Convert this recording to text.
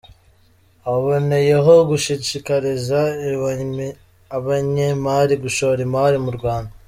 Aboneyeho gushishikariza abanyemari gushora imari mu Rwanda.